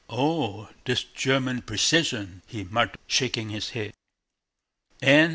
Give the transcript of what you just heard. "Oh, this German precision!" he muttered, shaking his head.